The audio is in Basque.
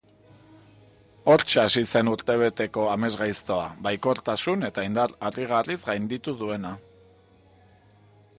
Hortxe hasi zen urtebeteko amesgaiztoa, baikortasun eta indar harrigarriz gainditu duena.